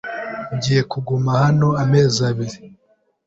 Ngiye kuguma hano amezi abiri.